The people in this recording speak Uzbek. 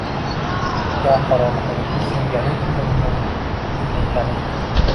Yo qorong’ulikni sevganing uchun bu tahlikali